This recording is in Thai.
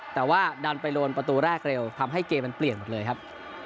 แต่ว่าดันไปโดนประตูแรกเร็วทำให้เกมมันเปลี่ยนหมดเลยครับ